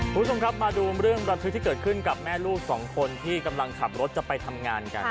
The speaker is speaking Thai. คุณผู้ชมครับมาดูเรื่องระทึกที่เกิดขึ้นกับแม่ลูกสองคนที่กำลังขับรถจะไปทำงานกัน